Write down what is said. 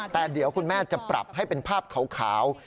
แต่เดี๋ยวคุณแม่จะปรับให้เป็นภาพขาว